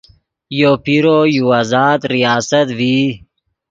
یو پیرو یو آزاد ریاست ڤئی